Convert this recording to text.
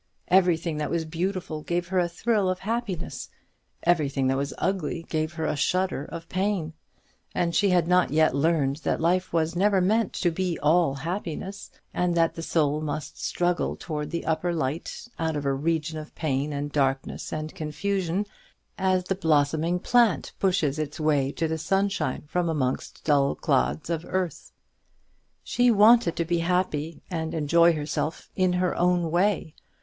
Everything that was beautiful gave her a thrill of happiness; everything that was ugly gave her a shudder of pain; and she had not yet learned that life was never meant to be all happiness, and that the soul must struggle towards the upper light out of a region of pain and darkness and confusion, as the blossoming plant pushes its way to the sunshine from amongst dull clods of earth. She wanted to be happy, and enjoy herself in her own way.